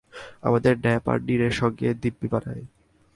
আমাদের নেপ আর নীরর সঙ্গে দিব্যি মানায়।